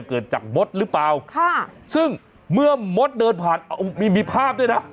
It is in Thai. เกิดจากมศหรือเปล่าซึ่งเมื่อมศเดินผ่านมีภาพด้วยนะ